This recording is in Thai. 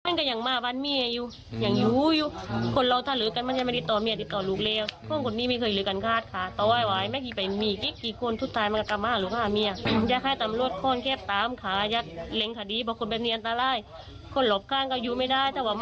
นี่มันเป็นคนอันตรายค่ะเหลือดยิ้นทำอะไรไม่คิด